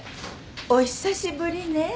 お久しぶりね。